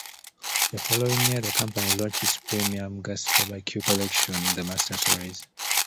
The following year, the company launched its premium gas barbecue collection, the Master Series.